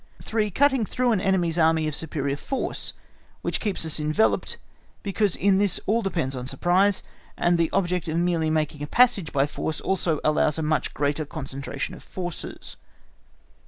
3. Cutting through an enemy's army of superior force, which keeps us enveloped, because in this all depends on surprise, and the object of merely making a passage by force, allows a much greater concentration of forces.